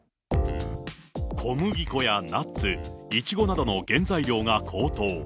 小麦粉やナッツ、イチゴなどの原材料が高騰。